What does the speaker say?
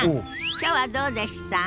きょうはどうでした？